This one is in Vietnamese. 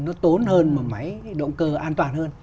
nó tốn hơn mà máy động cơ an toàn hơn